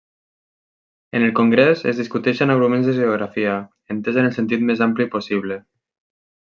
En el congrés es discuteixen argument de geografia, entesa en el sentit més ampli possible.